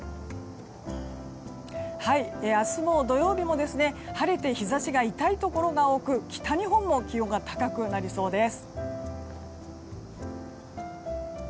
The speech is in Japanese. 明日の土曜日も晴れて日差しが痛いところが多く北日本も気温が高くなりそうです。